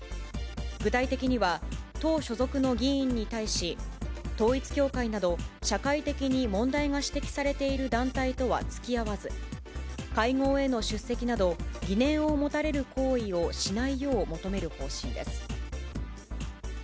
具体的には、党所属の議員に対し、統一教会など、社会的に問題が指摘されている団体とはつきあわず、会合への出席など、疑念を持たれる行為をしないよう求める方針です。